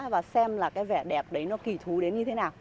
và xem là cái vẻ đẹp đấy nó kỳ thú đến như thế nào